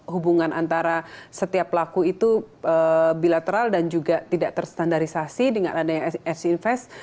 hubungan antara setiap pelaku itu bilateral dan juga tidak terstandarisasi dengan adanya fc invest